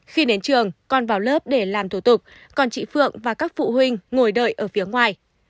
khi đến trường con vào lớp để làm thủ tục còn chị phượng và các phụ huynh ngồi đợi ở phía ngoài